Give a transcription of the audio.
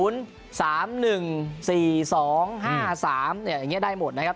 ๒๐๓๑๔๒๕๓อย่างนี้ได้หมดนะครับ